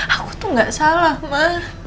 aku tuh gak salah mah